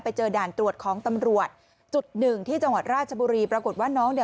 เจอด่านตรวจของตำรวจจุดหนึ่งที่จังหวัดราชบุรีปรากฏว่าน้องเนี่ย